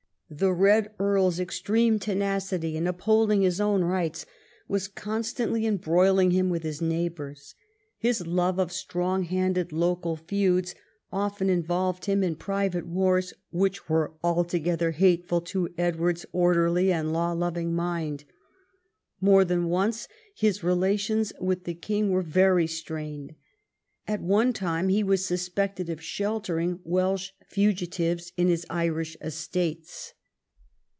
The Red Earl's extreme tenacity in up holding his own rights was constantly embroiling him with his neighbours. His love of strong handed local feuds often involved him in private wars which were altogether hateful to Edward's orderly and law loving mind. More than once his relations with the king were very strained. At one time he was suspected of sheltering Welsh fugitives in his Irish estates.